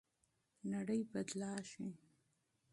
نړۍ بدلیږي.